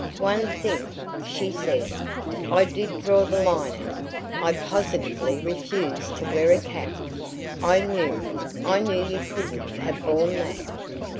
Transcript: "One thing," she said, "I did draw the line at. I positively refused to wear a cap. I knew I knew you couldn't have borne THAT!"